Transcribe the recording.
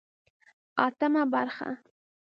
اتمه برخه